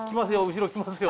後ろ来ますよ。